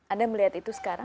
anda melihat itu sekarang